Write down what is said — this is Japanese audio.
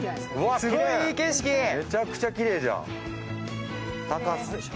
めちゃくちゃきれいじゃん。